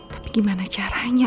tapi gimana caranya